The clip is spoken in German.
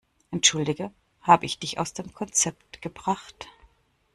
Entschuldige, habe ich dich aus dem Konzept gebracht?